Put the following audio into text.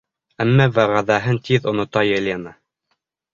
Әммә вәғәҙәһен тиҙ онота Елена.